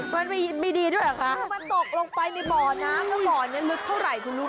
มันมีดีด้วยหรอค่ะคือมันตกลงไปบ่อน้ำบ่อน้ำนี้ลึกเท่าไหร่คุณลูกคะ